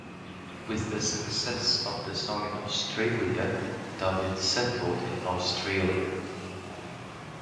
With the success of the song in Australia, Dobbyn settled in Australia.